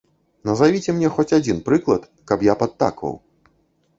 Назавіце мне хоць адзін прыклад, каб я падтакваў.